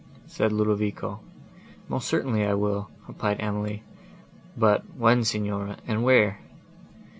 said Ludovico. "Most certainly I will," replied Emily. "But when, Signora, and where?"